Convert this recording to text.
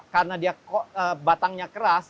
karena dia batangnya keras